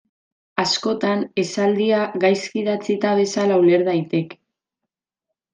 Askotan esaldia gaizki idatzita bezala uler daiteke.